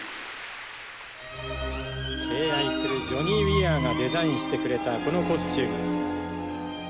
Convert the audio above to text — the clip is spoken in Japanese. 敬愛するジョニー・ウィアーがデザインしてくれたこのコスチューム。